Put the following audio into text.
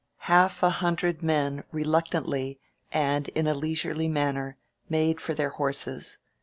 Half a hundred men reluctantly, and in a leisurely manner, made for their horses.